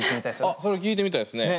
あっそれ聴いてみたいですね。